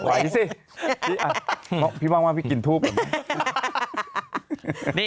เห้ยเกี่ยวมากพี่กินถูบอะ